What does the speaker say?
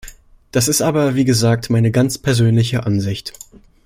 Das ist aber, wie gesagt, meine ganz persönliche Ansicht.